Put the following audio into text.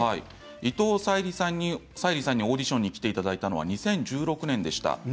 伊藤沙莉さんにオーディションに来ていただいたのは２０１６年でした。